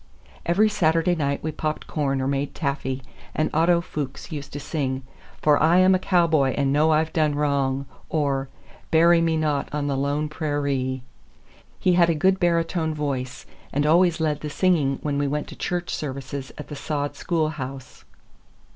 Every Saturday night we popped corn or made taffy, and Otto Fuchs used to sing, "For I Am a Cowboy and Know I've Done Wrong," or, "Bury Me Not on the Lone Prairee." He had a good baritone voice and always led the singing when we went to church services at the sod schoolhouse.